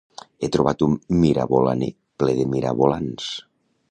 He trobat un mirabolaner ple de mirabolans